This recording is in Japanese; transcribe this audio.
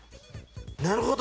なるほど！